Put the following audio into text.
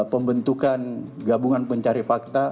pembentukan gabungan pencari fakta